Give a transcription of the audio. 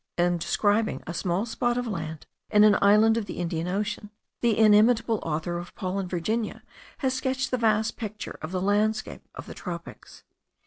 In describing a small spot of land in an island of the Indian Ocean, the inimitable author of Paul and Virginia has sketched the vast picture of the landscape of the tropics.